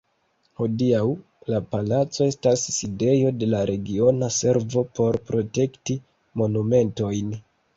Hodiaŭ la palaco estas sidejo de la Regiona Servo por Protekti Monumentojn.